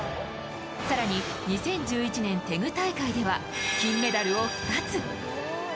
更に２０１１年、テグ大会では金メダルを２つ。